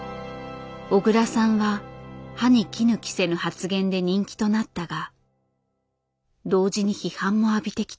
小倉さんは歯に衣着せぬ発言で人気となったが同時に批判も浴びてきた。